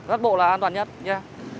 rắt bộ là an toàn nhất nha